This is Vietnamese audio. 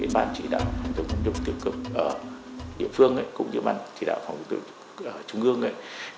ban chỉ đạo phòng chống tham nhũng tiêu cực địa phương cũng như ban chỉ đạo phòng chống tham nhũng trung ương